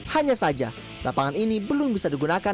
hanya saja lapangan ini belum bisa digunakan